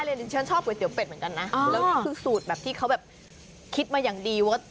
แล้วนี่คือสูตรแบบที่เขาแบบคิดมาอย่างดีว่า